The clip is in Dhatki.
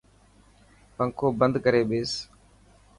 پنکو بند ڪري ٻيس.